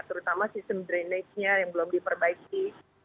terutama sistem drainase nya yang belum diperbaiki